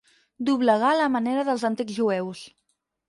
Doblegar a la manera dels antics jueus.